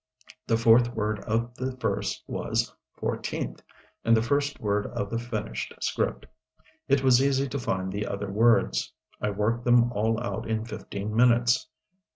The fourth word of the verse was fourteenth and the first word of the finished script. It was easy to find the other words. I worked them all out in fifteen minutes.